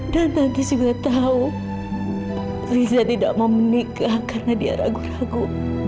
dan tante juga tahu riza tidak mau menikah karena dia ragu ragu